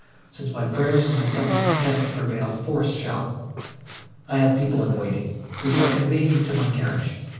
Since my prayers and my sufferings cannot prevail, force shall. I have people in waiting, who shall convey you to my carriage.